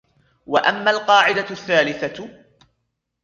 وَأَمَّا الْقَاعِدَةُ الثَّالِثَةُ